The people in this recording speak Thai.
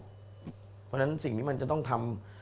เพราะฉะนั้นสิ่งที่มันจะต้องทำ